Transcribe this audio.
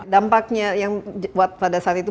dampaknya pada saat itu